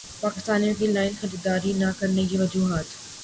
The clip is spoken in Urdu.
پاکستانیوں کی لائن خریداری نہ کرنے کی وجوہات